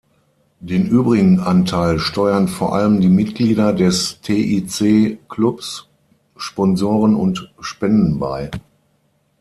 Den übrigen Anteil steuern vor allem die Mitglieder des TiC-Clubs, Sponsoren und Spenden bei.